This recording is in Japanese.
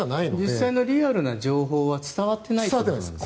実際のリアルな情報は伝わっていないですか？